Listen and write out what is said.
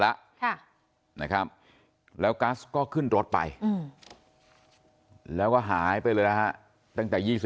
แล้วนะครับแล้วกัสก็ขึ้นรถไปแล้วก็หายไปเลยนะฮะตั้งแต่๒๕